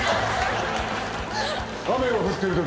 雨が降ってる時